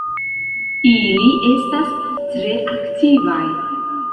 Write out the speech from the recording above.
Ili estas tre aktivaj.